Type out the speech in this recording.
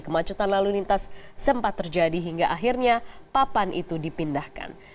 kemacetan lalu lintas sempat terjadi hingga akhirnya papan itu dipindahkan